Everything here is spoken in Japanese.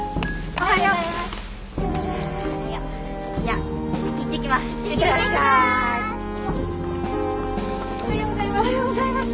おはようございます。